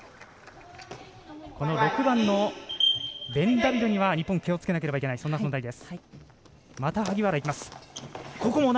６番のベンダビドには日本、気をつけないといけない存在です。